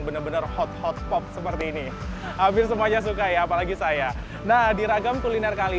benar benar hot hot pop seperti ini hampir semuanya suka ya apalagi saya nah di ragam kuliner kali